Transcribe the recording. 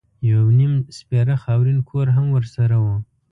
یو نیم سپېره خاورین کور هم ورسره و.